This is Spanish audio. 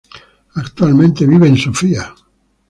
Actualmente vive en Sofía.